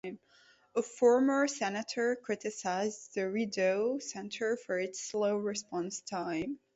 A former Senator criticized the Rideau Centre for its slow response time.